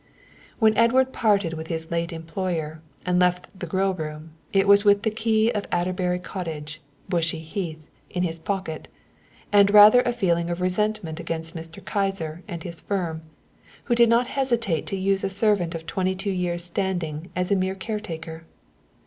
When Edward parted with his late employer and left the grill room it was with the key of Adderbury Cottage, Bushey Heath, in his pocket, and rather a feeling of resentment against Mr. Kyser and his firm, who did not hesitate to use a servant of twenty two years' standing as a mere caretaker.